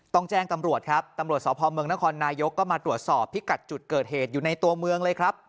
ต้องแจ้งตำรวจครับตำรวจสพเมืองนครนายกก็มาตรวจสอบพิกัดจุดเกิดเหตุอยู่ในตัวเมืองเลยครับ